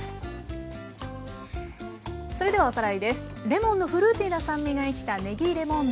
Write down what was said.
レモンのフルーティーな酸味が生きたねぎレモン